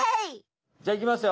じゃあいきますよ！